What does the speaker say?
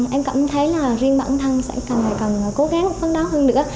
em cảm thấy riêng bản thân sẽ càng cố gắng phấn đấu hơn nữa